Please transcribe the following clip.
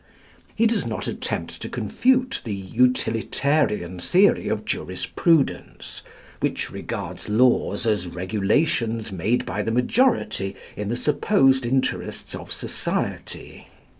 He does not attempt to confute the utilitarian theory of jurisprudence, which regards laws as regulations made by the majority in the supposed interests of society.